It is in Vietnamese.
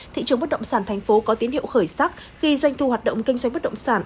thị trường bất động sản thành phố có tín hiệu khởi sắc khi doanh thu hoạt động kinh doanh bất động sản